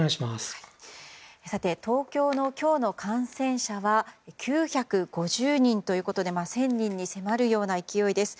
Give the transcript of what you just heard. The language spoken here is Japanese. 東京の今日の感染者は９５０人ということで１０００人に迫るような勢いです。